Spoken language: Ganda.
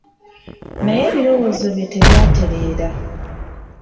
Naye ebirowoozo bye tebyatereera.